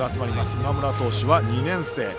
今村投手は２年生。